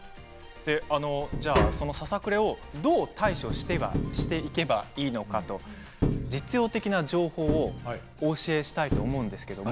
そのささくれにどう対処していけばいいのか実用的な情報をお教えしたいと思います。